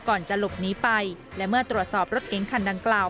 ก่อนจะหลบหนีไปและเมื่อตรวจสอบรถเก๋งคันดังกล่าว